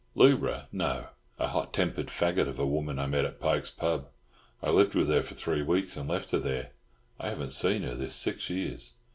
"Lubra, no! A hot tempered faggot of a woman I met at Pike's pub. I lived with her three weeks and left her there. I haven't seen her this six years."